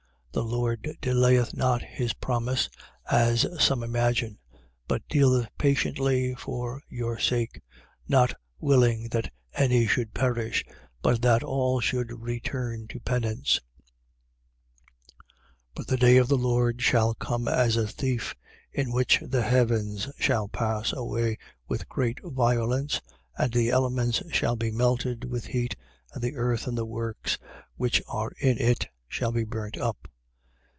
3:9. The Lord delayeth not his promise, as some imagine, but dealeth patiently for your sake, not willing that any should perish, but that all should return to penance, 3:10. But the day of the Lord shall come as a thief, in which the heavens shall pass away with great violence and the elements shall be melted with heat and the earth and the works which are in it shall be burnt up.